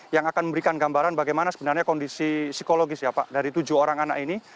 yang akan memberikan gambaran bagaimana sebenarnya kondisi psikologis ya pak dari tujuh orang anak ini